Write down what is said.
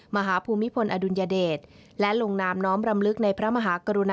มหาภูมิพลอดุลยเดช